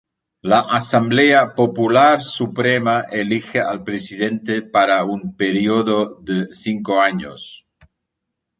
La Asamblea Popular Suprema elige al presidente para un periodo de cinco años.